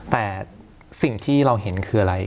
แต่สิ่งที่เราเห็นคืออะไร